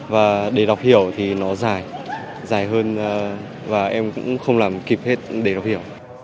và đề đọc hiểu thì nó dài dài hơn và em cũng không làm kịp hết đề đọc hiểu